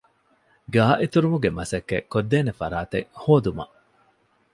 ގާއެތުރުމުގެ މަސައްކަތްކޮށްދޭނެ ފަރާތެއް ހޯދުމަށް